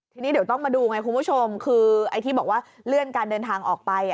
ทีนี้เดี๋ยวต้องมาดูไงคุณผู้ชมคือไอ้ที่บอกว่าเลื่อนการเดินทางออกไป